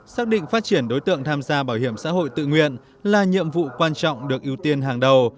xác định phát triển đối tượng tham gia bảo hiểm xã hội tự nguyện là nhiệm vụ quan trọng được ưu tiên hàng đầu